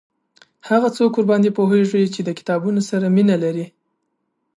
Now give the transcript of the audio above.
هغه څوک ورباندي پوهیږي چې د کتابونو سره مینه لري